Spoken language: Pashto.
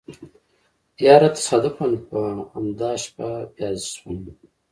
يره تصادفاً په امدا شپه بيا شوم.